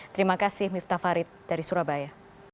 terima kasih miftah farid dari surabaya